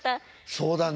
そうだね。